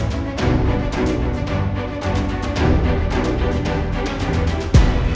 serius tuh si watham